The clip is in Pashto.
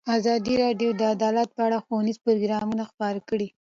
ازادي راډیو د عدالت په اړه ښوونیز پروګرامونه خپاره کړي.